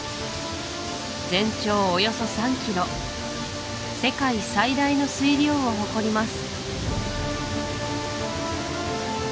全長およそ３ｋｍ世界最大の水量を誇ります